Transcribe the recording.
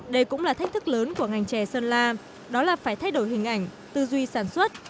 đây cũng là thách thức lớn của ngành chè sơn la đó là phải thay đổi hình ảnh tư duy sản xuất